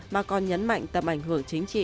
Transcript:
mà còn nhấn mạnh tầm ảnh hưởng chính